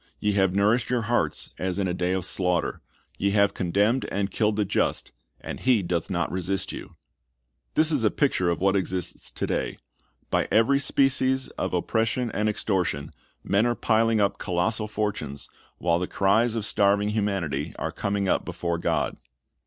Ye have nourished your hearts, as in a day of slaughter. Ye have condemned and killed the just; and he doth not resist you.''^ This is a picture of what exists to day. By every species of oppression and extortion, men are piling up colossal fortunes, while the cries of starving humanity are coming up before God.